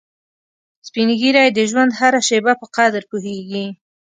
سپین ږیری د ژوند هره شېبه په قدر پوهیږي